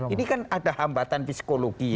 ini kan ada hambatan psikologi